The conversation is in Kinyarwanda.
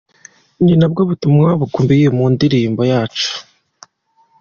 Ni nabwo butumwa bukubiye mu ndirimbo yacu.